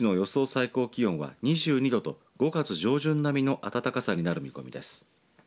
最高気温は２２度と５月上旬並みの暖かさになる見込みです。